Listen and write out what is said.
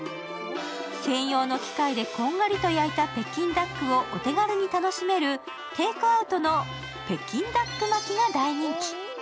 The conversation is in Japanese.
専用の機械でこんがりと焼いた北京ダックをお手軽に楽しめる、テークアウトの北京ダック巻きが大人気。